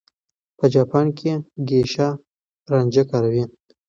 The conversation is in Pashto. په جاپان کې ګېشا رانجه کاروي.